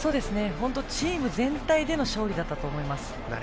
チーム全体での勝利だったと思います。